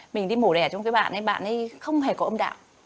mình đi mổ đẻ cho một cái bạn ấy bạn ấy không hề có âm đạo